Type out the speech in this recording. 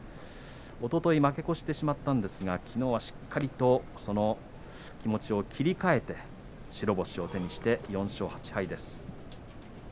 おととい負け越してしまったんですがきのうはしっかりと気持ちを切り替えて白星を手にして４勝８敗です。